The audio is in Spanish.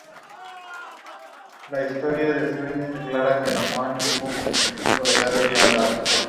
Durante este tiempo, además, recibió, más gracias y tierras del rey.